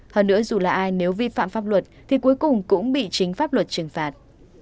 hơn nữa dù là ai nếu vi phạm pháp luật thì cuối cùng cũng bị chính pháp luật trừng phạt